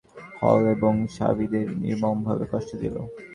তাই রাসূলের ঘোর শত্রুতায় লিপ্ত হল এবং সাহাবীদের নির্মমভাবে কষ্ট দিল।